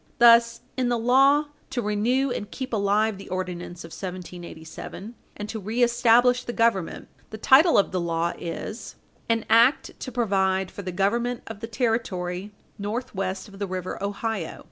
Thus, in the law to renew and keep alive the Ordinance of 1787 and to reestablish the Government, the title of the law is: "An act to provide for the government of the territory northwest of the river Ohio."